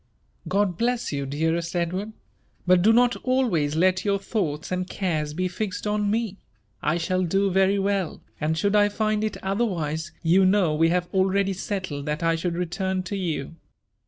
''God bless you, dearest Edward! — but do not always let your thoughts and cares be fixed on me. I shall do very well ; and should I find it otherwise, you know we have already settled that I should return to you.